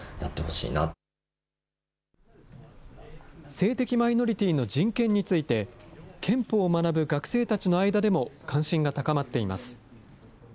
性的マイノリティーの人権について、憲法を学ぶ学生たちの間でも関心が高まっています。